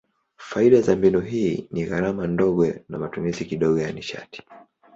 Faida za mbinu hii ni gharama ndogo na matumizi kidogo ya nishati.